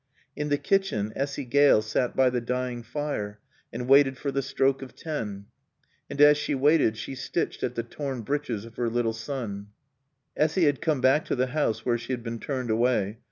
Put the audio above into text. In the kitchen Essy Gale sat by the dying fire and waited for the stroke of ten. And as she waited she stitched at the torn breeches of her little son. Essy had come back to the house where she had been turned away.